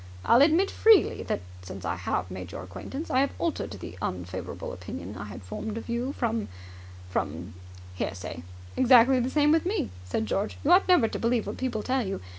I'll admit freely that, since I have made your acquaintance, I have altered the unfavourable opinion I had formed of you from from hearsay. .." "Exactly the same with me," said George. "You ought never to believe what people tell you.